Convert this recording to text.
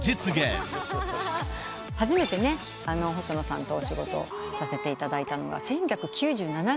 初めて細野さんとお仕事させていただいたのが１９９７年。